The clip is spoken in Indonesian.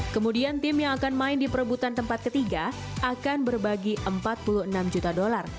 kemudian tim yang akan main di perebutan tempat ketiga akan berbagi empat puluh enam juta dolar